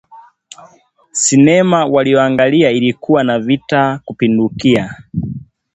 Sinema waliyoangalia ilikuwa na vita kupindukia